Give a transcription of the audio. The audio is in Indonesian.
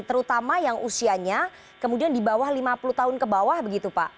terutama yang usianya kemudian di bawah lima puluh tahun ke bawah begitu pak